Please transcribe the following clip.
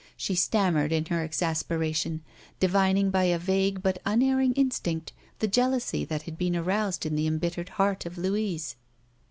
She stammered in her exasperation, divining by a vague but unerring instinct the jealousy that had been aroused in the embittered heart of Louise.